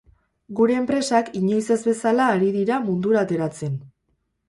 Gure enpresak inoiz ez bezala ari dira mundura ateratzen.